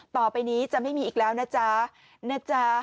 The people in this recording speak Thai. ต่อไปนี้จะไม่มีอีกแล้วนะจ๊ะนะจ๊ะ